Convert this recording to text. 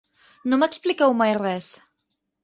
No m'expliqueu mai res!